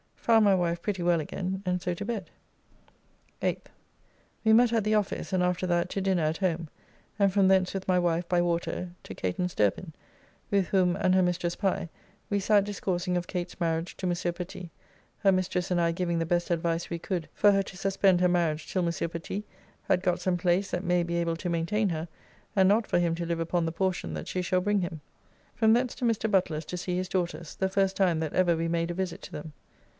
Found my wife pretty well again, and so to bed. 8th. We met at the office, and after that to dinner at home, and from thence with my wife by water to Catan Sterpin, with whom and her mistress Pye we sat discoursing of Kate's marriage to Mons. Petit, her mistress and I giving the best advice we could for her to suspend her marriage till Mons. Petit had got some place that may be able to maintain her, and not for him to live upon the portion that she shall bring him. From thence to Mr. Butler's to see his daughters, the first time that ever we made a visit to them.